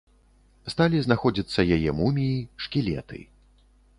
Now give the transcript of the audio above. Сталі знаходзіцца яе муміі, шкілеты.